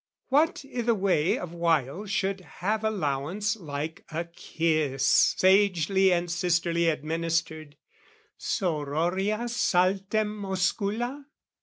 What i' the way Of wile should have allowance like a kiss Sagely and sisterly administered, Sororia saltem oscula?